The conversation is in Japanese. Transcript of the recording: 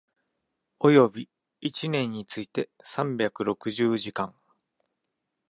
及び一年について三百六十時間